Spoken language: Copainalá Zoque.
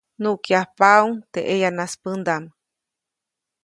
Nuʼkyajpaʼuŋ teʼ ʼeyanaspändaʼm.